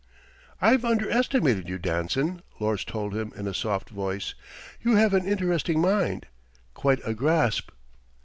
"I've underestimated you, Danson," Lors told him in a soft voice. "You have an interesting mind. Quite a grasp."